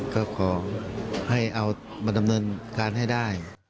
ก็ขอให้เอามาดำเนินการให้ได้